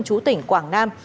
chú tỉnh quảng nam